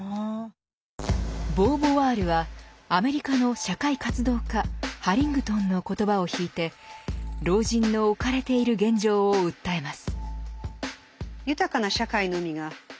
ボーヴォワールはアメリカの社会活動家ハリングトンの言葉を引いて老人の置かれている現状を訴えます。